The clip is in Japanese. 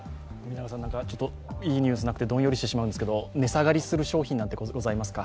いいニュースがなくて、どんよりしてしまうんですけれども、値下がりする商品なんてありますか？